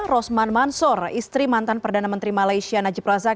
rosman mansur istri mantan perdana menteri malaysia najib razak